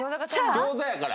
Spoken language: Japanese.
餃子やから。